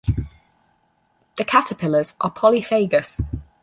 The caterpillars are polyphagous.